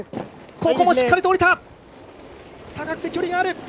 ここもしっかりと降りた！